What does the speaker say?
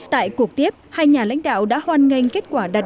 tại cuộc tiếp hai nhà lãnh đạo đã hoan nghênh kết quả đạt